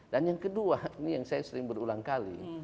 dan yang kedua ini yang saya sering berulang kali